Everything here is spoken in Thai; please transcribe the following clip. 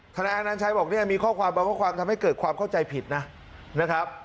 นายอนัญชัยบอกเนี่ยมีข้อความบางข้อความทำให้เกิดความเข้าใจผิดนะครับ